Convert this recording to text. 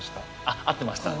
あっ合ってました。